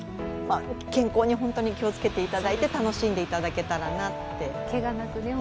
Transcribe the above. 健康に気をつけていただいて、楽しんでいただけたらなと。